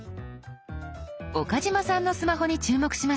岡嶋さんのスマホに注目しましょう。